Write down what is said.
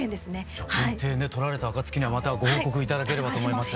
じゃ検定ね取られた暁にはまたご報告頂ければと思います。